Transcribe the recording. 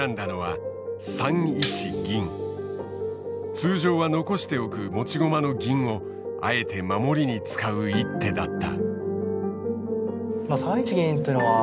通常は残しておく持ち駒の銀をあえて守りに使う一手だった。